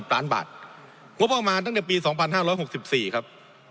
๙๔๐ล้านบาทงบออกมาตั้งแต่ปี๒๕๖๔ครับ